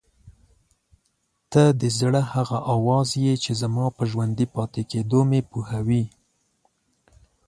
ته د زړه هغه اواز یې چې زما په ژوندي پاتې کېدو مې پوهوي.